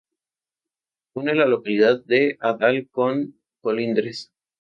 Une la localidad de Adal con Colindres.